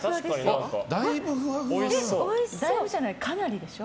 だいぶじゃない、かなりでしょ。